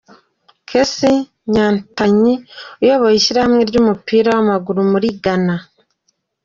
Kesi Nyantakyi uyobora ishyirahamwe ry’umupira w’amaguru muri Ghana